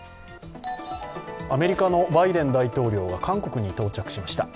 アメリカのバイデン大統領が韓国に到着しました。